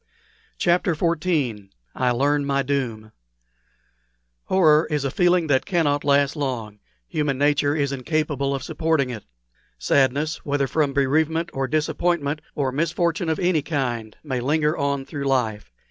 CHAPTER XIV I LEARN MY DOOM Horror is a feeling that cannot last long; human nature is incapable of supporting it. Sadness, whether from bereavement, or disappointment, or misfortune of any kind, may linger on through life.